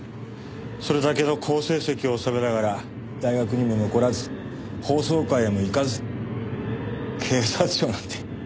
それだけの好成績を修めながら大学にも残らず法曹界へも行かず警察庁なんて。